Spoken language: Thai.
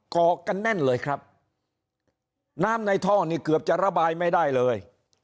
อกกันแน่นเลยครับน้ำในท่อนี่เกือบจะระบายไม่ได้เลย